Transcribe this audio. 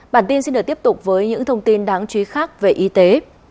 bản tin xin được tiếp tục với những thông tin đáng chú ý khác về y tế